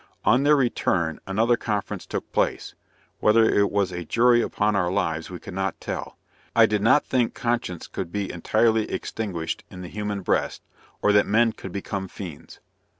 On their return, another conference took place whether it was a jury upon our lives we could not tell. I did not think conscience could be entirely extinguished in the human breast, or that men could become fiends.